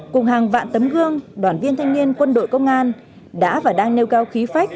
cùng hàng vạn tấm gương đoàn viên thanh niên quân đội công an đã và đang nêu cao khí phách